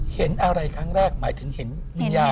เห็นอะไรครั้งแรกหมายถึงเห็นวิญญาณ